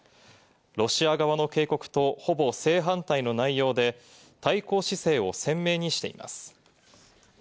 ロシア側の警告とほぼ正反対の内容で、対抗姿勢を鮮明にしています。